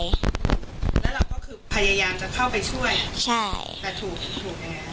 แล้วเราก็คือพยายามจะเข้าไปช่วยใช่แต่ถูกถูกยังไง